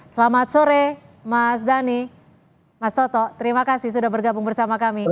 selamat sore mas dhani mas toto terima kasih sudah bergabung bersama kami